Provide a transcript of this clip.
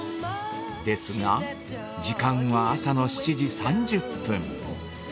ですが、時間は朝の７時３０分。